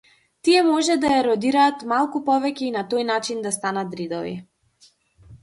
Тие може да еродираат малку повеќе и, на тој начин, да станат ридови.